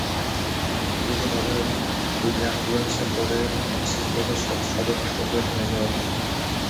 দ্রুত তাঁদের দুটি অ্যাম্বুলেন্সে করে কক্সবাজার সদর হাসপাতালে নিয়ে যাওয়া হয়।